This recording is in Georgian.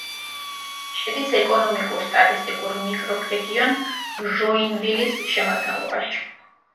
შედის ეკონომიკურ-სტატისტიკურ მიკრორეგიონ ჟოინვილის შემადგენლობაში.